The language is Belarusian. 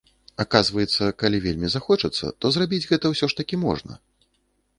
Аказваецца, калі вельмі захочацца, то зрабіць гэта ўсё ж такі можна.